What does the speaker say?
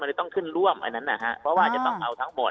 เลยต้องขึ้นร่วมอันนั้นนะฮะเพราะว่าจะต้องเอาทั้งหมด